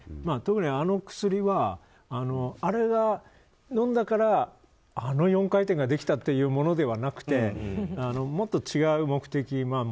特にあの薬はあれを飲んだからあの４回転ができたというものではなくてもっと違う目的で。